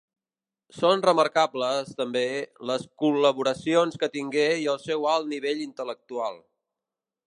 Són remarcables, també, les col·laboracions que tingué i el seu alt nivell intel·lectual.